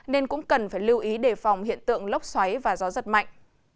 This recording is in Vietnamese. nên cũng cần phải lưu ý đề phòng hiện tượng lốc xoáy và gió giật mạnh